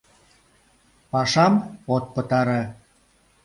— Пашам от пытаре.